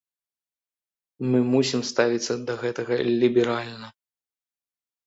Мы мусім ставіцца да гэтага ліберальна.